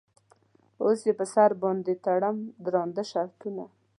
اوس یې په سر باندې تړم درانده شرطونه.